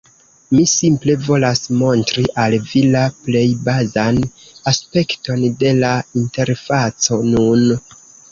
Mi simple volas montri al vi la plej bazan aspekton de la interfaco nun.